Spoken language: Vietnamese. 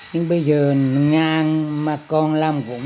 nhưng bây giờ ngang mà còn làm gốm